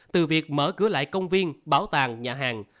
từ việc mở cửa lại công viên bảo tàng nhà hàng